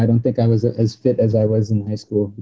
aku gak pikir aku lebih terbaik dari saat aku di sekolah